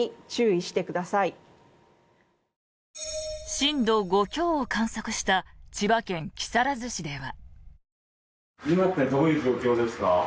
震度５強を観測した千葉県木更津市では。